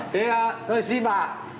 thế thôi xin bà